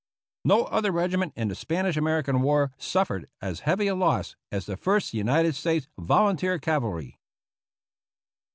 No other regiment in the Spanish American War suffered as heavy a loss as the First United States Volunteer Cavalry.